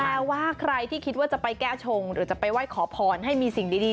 ว่าใครที่คิดว่าจะไปแก้ชงหรือจะไปไหว้ขอพรให้มีสิ่งดี